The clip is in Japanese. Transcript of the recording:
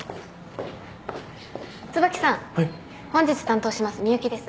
本日担当します深雪です。